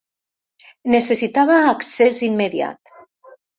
Necessitava accés immediat.